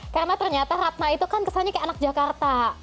karena ternyata ratna itu kan kesannya kayak anak jakarta